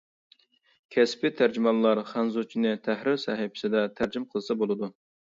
كەسپى تەرجىمانلار خەنزۇچىنى تەھرىر سەھىپىسىدە تەرجىمە قىلسا بولىدۇ.